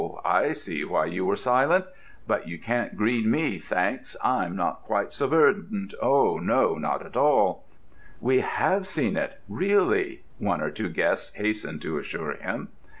I see why you were silent. But you can't green me, thanks: I'm not quite so verdant—oh no, not at all!" "We have seen it—really," one or two guests hastened to assure him.